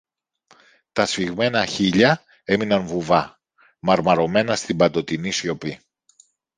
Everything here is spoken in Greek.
Τα σφιγμένα χείλια έμειναν βουβά, μαρμαρωμένα στην παντοτινή σιωπή.